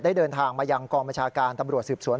เดินทางมายังกองบัญชาการตำรวจสืบสวน